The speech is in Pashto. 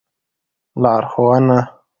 لار ښوونه